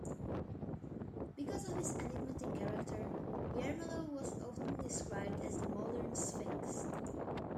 Because of his enigmatic character, Yermolov was often described as the "Modern Sphinx".